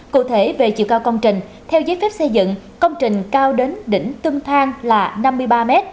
cụ thể về chiều cao công trình theo giấy phép xây dựng công trình cao đến đỉnh tung thang là năm mươi ba m